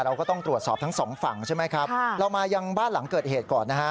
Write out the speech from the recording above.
เราก็ต้องตรวจสอบทั้งสองฝั่งใช่ไหมครับเรามายังบ้านหลังเกิดเหตุก่อนนะฮะ